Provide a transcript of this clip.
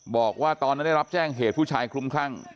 บอกว่าตอนนั้นได้รับแจ้งเหตุผู้ชายคลุมคลั่ง